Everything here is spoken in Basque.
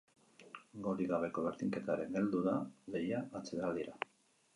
Golik gabeko berdinketaren heldu da lehia atsedenaldira.